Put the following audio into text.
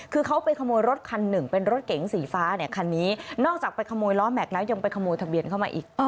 คือเขาไปขโมยรถคันหนึ่งเป็นรถเก๋งสีฟ้าเนี่ยคันนี้นอกจากไปขโมยล้อแม็กซแล้วยังไปขโมยทะเบียนเข้ามาอีก